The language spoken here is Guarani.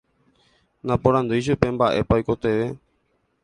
Naporandúi chupe mba'épa oikotevẽ.